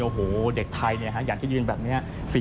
โอ้โหเด็กไทยอย่างที่ยืนแบบนี้